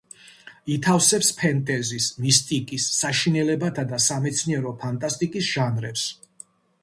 ითავსებს ფენტეზის, მისტიკის, საშინელებათა და სამეცნიერო ფანტასტიკის ჟანრებს.